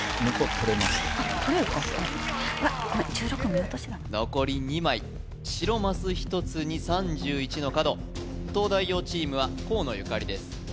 １６見落としが残り２枚白マス１つに３１の角東大王チームは河野ゆかりです